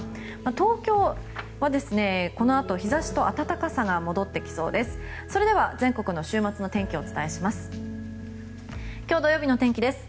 東京は、このあと日差しと暖かさが戻ってきそうです。